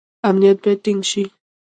امنیت باید ټینګ شي